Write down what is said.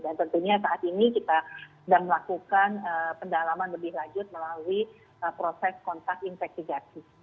dan tentunya saat ini kita sedang melakukan pendalaman lebih lanjut melalui proses kontak infeksi gati